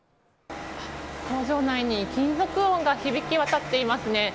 工場内に金属音が響き渡っていますね。